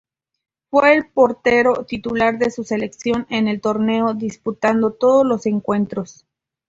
Fue el portero titular de su selección en el torneo, disputando todos los encuentros.